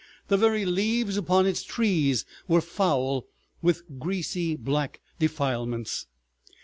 The very leaves upon its trees were foul with greasy black defilements.